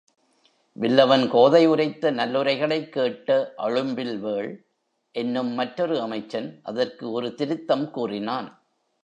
வில்லவன் கோதை உரைத்தநல்லுரைகளைக் கேட்ட அழும்பில்வேள் என்னும் மற்றொரு அமைச்சன் அதற்கு ஒரு திருத்தம் கூறினான்.